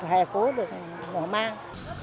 hẻ phố được ngổ mang